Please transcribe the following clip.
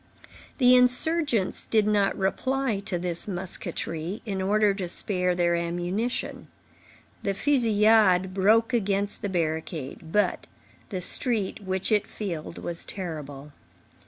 The insurgents did not reply to this musketry, in order to spare their ammunition. The fusillade broke against the barricade; but the street, which it filled, was terrible.